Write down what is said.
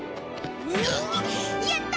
やった！